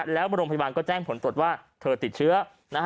แล้วโรงพยาบาลก็แจ้งผลตรวจว่าเธอติดเชื้อ